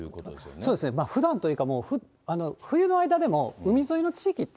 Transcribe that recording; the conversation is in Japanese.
そうですね、ふだんというか、冬の間でも海沿いの地域って、